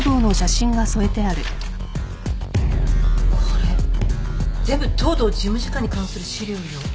これ全部藤堂事務次官に関する資料よ。